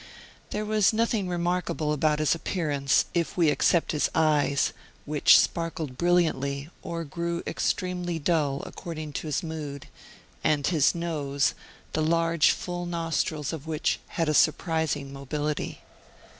There was nothing remarkable about his appearance, if we except his eyes, which sparkled brilliantly or grew extremely dull, according to his mood; and his nose, the large full nostrils of which had a surprising mobility.